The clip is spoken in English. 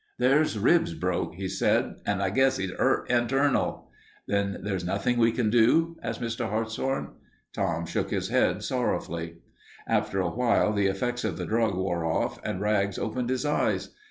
"There's ribs broke," he said, "and I guess 'e's 'urt hinternal." "Then there's nothing we can do?" asked Mr. Hartshorn. Tom shook his head sorrowfully. After awhile the effects of the drug wore off and Rags opened his eyes.